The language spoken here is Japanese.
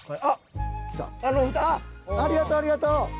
あっありがとう！